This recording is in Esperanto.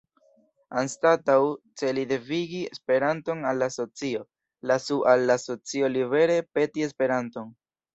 Anstataŭ celi devigi Esperanton al la socio, lasu al la socio libere peti Esperanton.